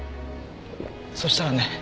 そしたらね。